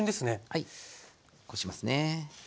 はいこしますね。